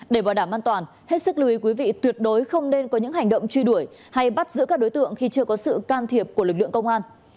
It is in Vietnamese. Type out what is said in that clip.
để bảo đảm an toàn hết sức lưu ý quý vị tuyệt đối không nên có những hành động truy đuổi hay bắt giữ các đối tượng khi chưa có sự can thiệp của lực lượng công an